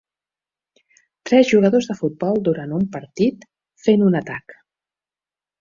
Tres jugadors de futbol durant un partit, fent un atac.